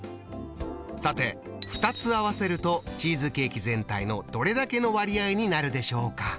さて２つ合わせるとチーズケーキ全体のどれだけの割合になるでしょうか？